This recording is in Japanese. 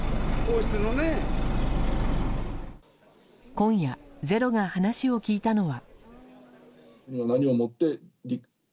今夜「ｚｅｒｏ」が話を聞いたのは。